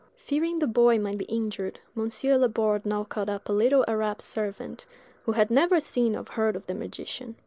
Fearing the boy might be injured, Monsieur Laborde now called up a little Arab servant, who had never seen or heard of the magician.